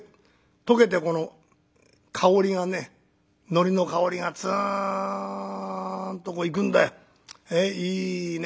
溶けてこの香りがねのりの香りがつんとこういくんだよ。いいね。